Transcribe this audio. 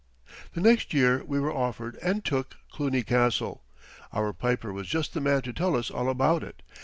] The next year we were offered and took Cluny Castle. Our piper was just the man to tell us all about it.